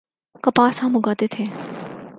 کپاس ہم اگاتے تھے۔